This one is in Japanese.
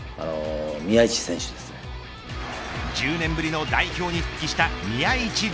１０年ぶりの代表に復帰した宮市亮。